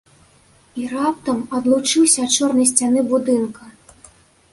І раптам адлучыўся ад чорнай сцяны будынка.